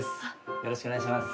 よろしくお願いします。